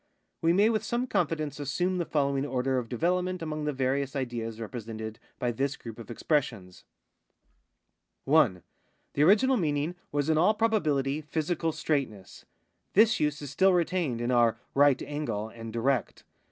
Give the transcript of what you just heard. We may with some confidence assume the following order of development among the various ideas I'epresented by this group of expressions :— 1. The original meaning was in all ])robalnlity physical straightness. This use is still retained in our right angle and direct.